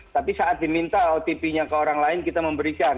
tapi saat diminta otp nya ke orang lain kita memberikan